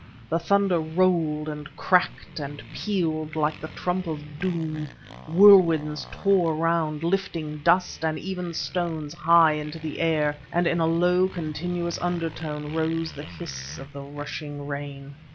The thunder rolled and cracked and pealed like the trump of doom, whirlwinds tore round, lifting dust and even stones high into the air, and in a low, continuous undertone rose the hiss of the rushing rain.